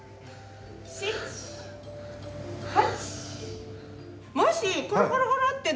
７８。